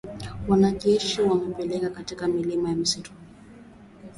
Wanajeshi wamepelekwa katika milima ya msituni